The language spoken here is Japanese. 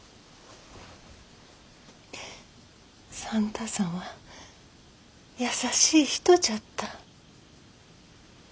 算太さんは優しい人じゃった。